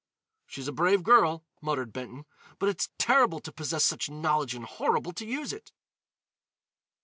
"She's a brave girl," muttered Benton, "but it's terrible to possess such knowledge and horrible to use it."